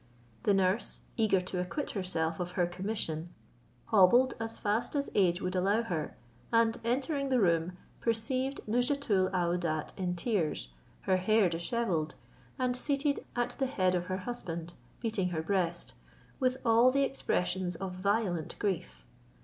The nurse, eager to acquit herself of her commission, hobbled as fast as age would allow her, and entering the room, perceived Nouzhatoul aouadat in tears, her hair dishevelled, and seated at the head of her husband, beating her breast, with all the expressions of violent grief.